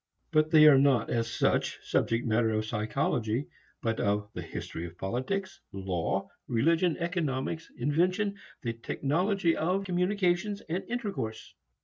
But they are not as such subject matter of psychology, but of the history of politics, law, religion, economics, invention, the technology of communication and intercourse.